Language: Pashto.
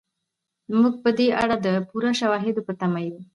موږ په دې اړه د پوره شواهدو په تمه یو.